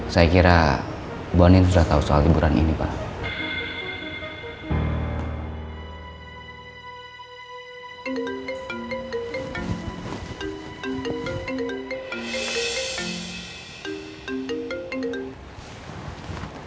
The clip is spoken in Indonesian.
saya kira bu andien sudah tau soal liburan ini pak